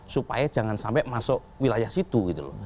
supaya jangan sampai masuk wilayah situ